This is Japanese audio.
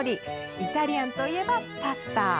イタリアンといえばパスタ。